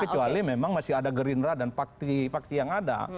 kecuali memang masih ada gerindra dan pakti pakti yang ada